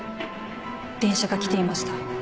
電車が来ていました。